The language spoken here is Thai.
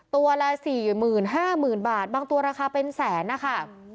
ตัวละสี่หมื่นห้าหมื่นบาทบางตัวราคาเป็นแสนนะคะ